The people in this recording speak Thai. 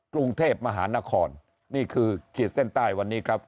กรุงเทพมหานครนี่คือขีดเส้นใต้วันนี้ครับ